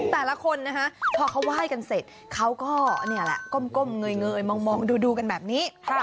แต่ละคนนะคะพอเขาไหว้กันเสร็จเขาก็นี่แหละก้มเงยมองดูกันแบบนี้